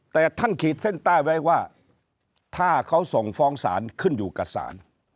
แต่ท่านขีดเส้นใต้ไว้ว่าถ้าเขาส่งฟ้องศาลขึ้นอยู่กับศาล